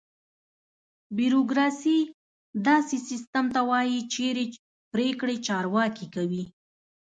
بیوروکراسي: داسې سیستم ته وایي چېرې پرېکړې چارواکي کوي.